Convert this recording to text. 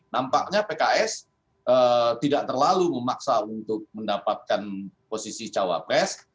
nampaknya pks tidak terlalu memaksa untuk mendapatkan posisi cawapres